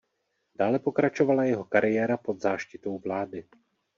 Dále pokračovala jeho kariéra pod záštitou vlády.